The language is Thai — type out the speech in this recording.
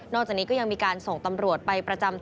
จากนี้ก็ยังมีการส่งตำรวจไปประจำตัว